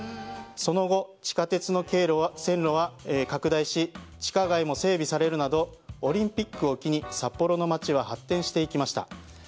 その後、地下鉄の線路は拡大し地下街も整備されるなどオリンピックを機に札幌の街は発展していきました。